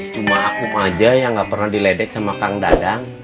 cuma aku aja yang gak pernah diledek sama kang dadang